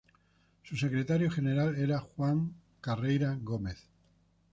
Su secretario general es Juan Carreira Gómez.